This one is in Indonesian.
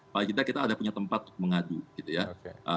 paling tidak kita ada punya tempat untuk mengadu gitu ya